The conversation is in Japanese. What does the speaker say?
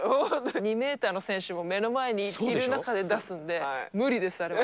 ２メーターの選手が目の前にいる中で出すんで、無理です、あれは。